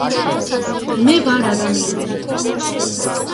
მე ვარ ადამიანი